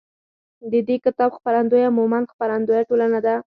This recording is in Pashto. د دې کتاب خپرندویه مومند خپروندویه ټولنه ده.